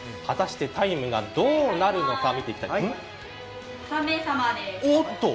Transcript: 果たしてタイムがどうなるのか見ていきたいと思います。